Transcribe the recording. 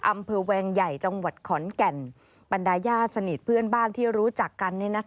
อำเภอแวงใหญ่จังหวัดขอนแก่นบรรดาญาติสนิทเพื่อนบ้านที่รู้จักกัน